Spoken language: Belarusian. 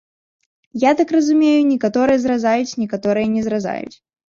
Я так разумею, некаторыя зразаюць, некаторыя не зразаюць.